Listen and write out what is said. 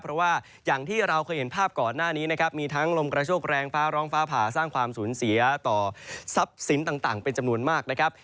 เพราะว่าอย่างที่เราเคยเห็นภาพก่อนหน้านี้นะครับมีทั้งลมกระโชคแรงฟ้าร้องฟ้าผ่าสร้างความสูญเสียต่อทรัพย์สินต่างเป็นจำนวนมากนะครับ